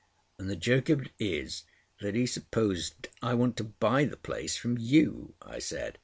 "And the joke of it is that he supposes I want to buy the place from you," I said.